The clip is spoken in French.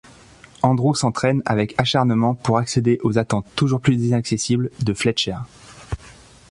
Andrew s'entraîne avec acharnement pour accéder aux attentes toujours plus inaccessibles de Fletcher.